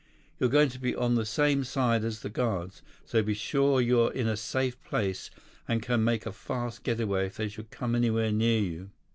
You're going to be on the same side as the guards, so be sure you're in a safe place and can make a fast getaway if they should come anywhere near you."